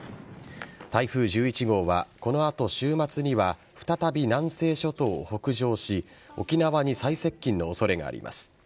台風１１号はこの後、週末には再び南西諸島を北上し沖縄に再接近の恐れがあります。